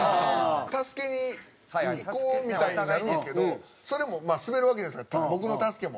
助けに行こうみたいになるんですけどそれもスベるわけですから僕の助けも。